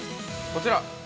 ◆こちら。